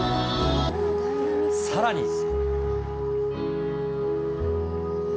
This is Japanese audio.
さらに。